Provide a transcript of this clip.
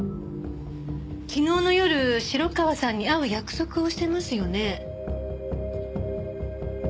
昨日の夜城川さんに会う約束をしてますよね？